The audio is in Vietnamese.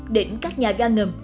đỉnh các nhà ga ngầm